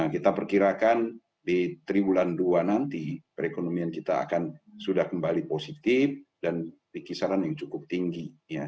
kita perkirakan di tribulan dua nanti perekonomian kita akan sudah kembali positif dan di kisaran yang cukup tinggi